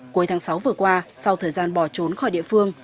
cuối tháng sáu vừa qua sau thời gian bỏ trốn khỏi địa phương